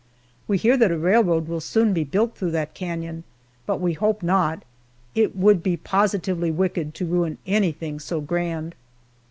We hear that a railroad will soon be built through that canon but we hope not. It would be positively wicked to ruin anything so grand.